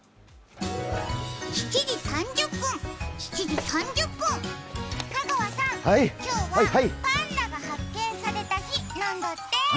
７時３０分、７時３０分、香川さん、今日はパンダが発見された日なんだって。